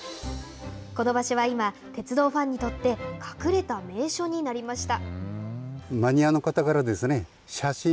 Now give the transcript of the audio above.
この場所は今、鉄道ファンにとって隠れた名所になりました。